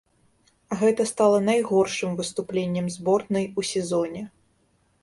Гэта стала найгоршым выступленнем зборнай у сезоне.